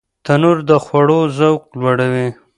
تنور د خوړو ذوق لوړوي